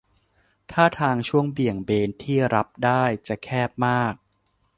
ท่าทางช่วงเบี่ยงเบนที่รับได้ จะแคบมาก